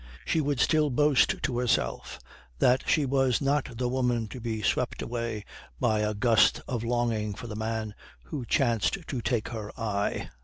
She would still boast to herself that she was not the woman to be swept away by a gust of longing for the man who chanced to take her eye.